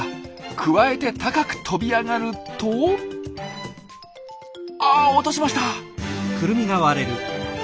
くわえて高く飛び上がるとあっ落としました！